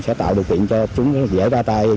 sẽ tạo điều kiện cho chúng dễ ra tay